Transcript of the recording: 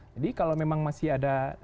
jadi kalau memang masih ada